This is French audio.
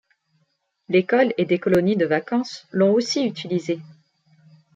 L'école et des colonies de vacances l'ont aussi utilisée.